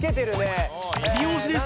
美容師です！